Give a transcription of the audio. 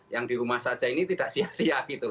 yang di rumah saja ini tidak sia sia gitu